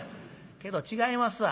けど違いますわ。